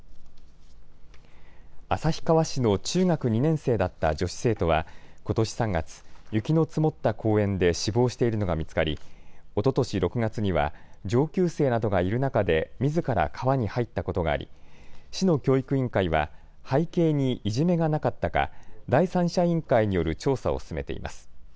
旭川市の中学２年生だった女子生徒はことし３月、雪の積もった公園で死亡しているのが見つかりおととし６月には上級生などがいる中で、みずから川に入ったことがあり市の教育委員会は背景にいじめがなかったか、第三者委員会による調査を進めています。